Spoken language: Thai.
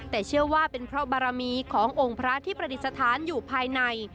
แต่เชื่อว่าเป็นเพราะบารมีขององค์พระที่ประดิษฐานอยู่ภายใน